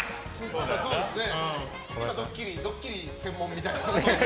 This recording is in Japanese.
今、ドッキリ専門みたいなね。